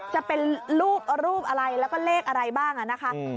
จะเป็นรูปรูปอะไรแล้วก็เลขอะไรบ้างอ่ะนะคะอืม